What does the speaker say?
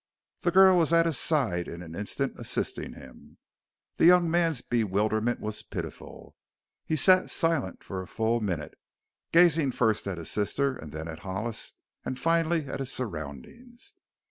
The girl was at his side in an instant, assisting him. The young man's bewilderment was pitiful. He sat silent for a full minute, gazing first at his sister and then at Hollis, and finally at his surroundings.